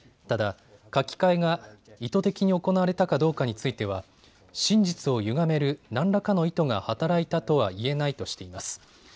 ただ書き換えが意図的に行われたかどうかについては真実をゆがめる何らかの意図が働いたとは言えないとしています。